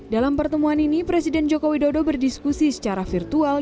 dalam pertemuan ini presiden joko widodo berdiskusi secara virtual